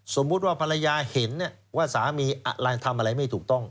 สมมุติว่าผละยาเห็นเนี้ยว่าสามีทำอะไรไม่ถูกต้อง